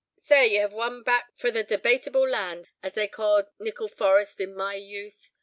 "Sae you have won back frae the Debatable Land, as they ca'ed Nicol Forest in my youth.